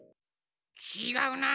ちがうな。